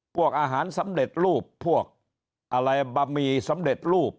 พวกอาหารสำเร็จรูปพวกอะไรบะหมี่สำเร็จรูป